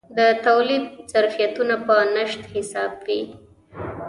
د تولید ظرفیتونه په نشت حساب وي.